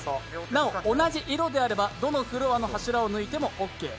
なお、同じ色であればどのフロアの柱を抜いてもオッケー。